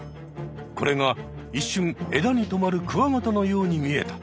これが一瞬枝にとまるクワガタのように見えた。